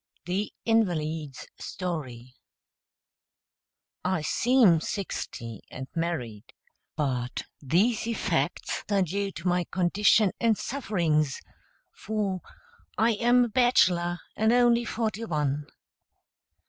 THE INVALID'S STORY I seem sixty and married, but these effects are due to my condition and sufferings, for I am a bachelor, and only forty one.